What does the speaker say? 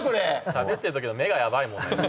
しゃべってるときの目がヤバいもん。